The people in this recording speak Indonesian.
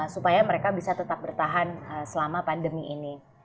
supaya mereka bisa tetap bertahan selama pandemi ini